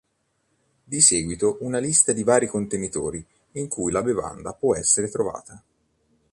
Di seguito una lista di vari contenitori in cui la bevanda può essere trovata.